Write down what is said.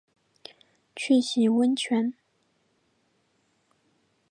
去洗温泉